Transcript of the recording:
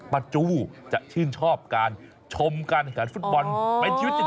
ป้าจูจะชื่นชอบการชมกันการฟุตบอลเป็นชีวิตใจอะ